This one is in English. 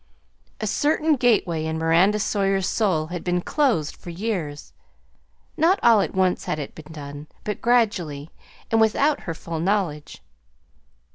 A certain gateway in Miranda Sawyer's soul had been closed for years; not all at once had it been done, but gradually, and without her full knowledge.